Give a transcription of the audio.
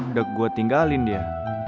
udah gue tinggalin dia